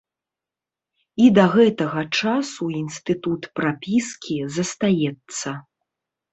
І да гэтага часу інстытут прапіскі застаецца.